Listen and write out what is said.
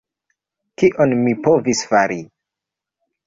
Kion mi povis fari?